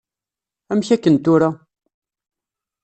Amek aken tura?